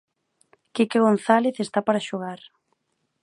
Quique González está para xogar.